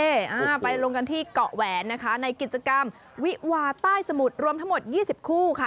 อ่าไปลงกันที่เกาะแหวนนะคะในกิจกรรมวิวาใต้สมุทรรวมทั้งหมดยี่สิบคู่ค่ะ